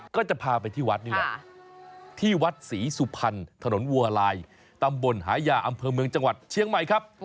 ก็จะพาไปที่วัดนี่แหละที่วัดศรีสุพรรณถนนวัวลายตำบลหายาอำเภอเมืองจังหวัดเชียงใหม่ครับ